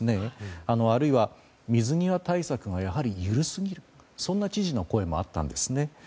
あるいは、水際対策が緩すぎるそんな知事の声もあったんです。